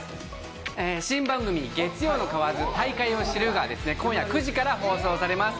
新番組「月曜の蛙、大海を知る」が今夜９時から放送されます。